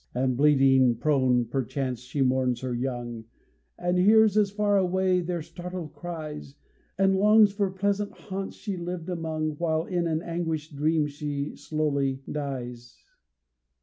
And, bleeding prone, perchance she mourns her young, And hears, as far away, their startled cries, And longs for pleasant haunts she lived among, While in an anguished dream she slowly dies.